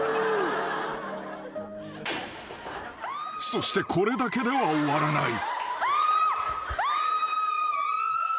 ［そしてこれだけでは終わらない］